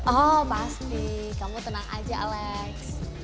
oh basdi kamu tenang aja alex